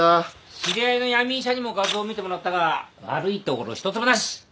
知り合いの闇医者にも画像を見てもらったが悪いところ１つもなし。